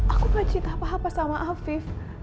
aku gak cinta apa apa sama afif